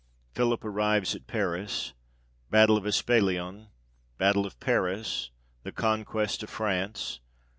Philip arrives at Paris. Battle of Espalion. Battle of Paris. The conquest of France.